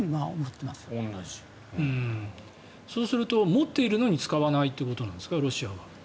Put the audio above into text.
そうすると持っているのに使わないということなんですか？